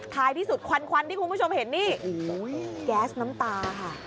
ท้ายที่สุดควันควันที่คุณผู้ชมเห็นนี่แก๊สน้ำตาค่ะ